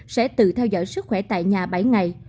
sẽ tự theo dõi sức khỏe tại nhà bảy ngày